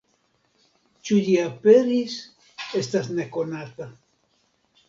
Ĉu ĝi aperis, estas nekonata.